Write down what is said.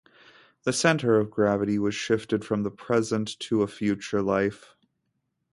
The center of gravity was shifted from the present to a future life.